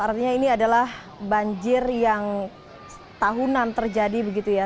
artinya ini adalah banjir yang tahunan terjadi begitu ya